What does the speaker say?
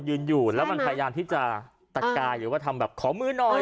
ยืนอยู่แล้วมันพยายามที่จะตะกายหรือว่าทำแบบขอมือหน่อย